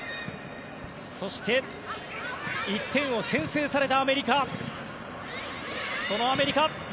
そして１点を先制されたアメリカ。